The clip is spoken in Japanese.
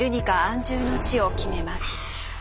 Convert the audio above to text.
安住の地を決めます。